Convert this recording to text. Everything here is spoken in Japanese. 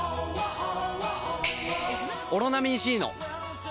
「オロナミン Ｃ」の！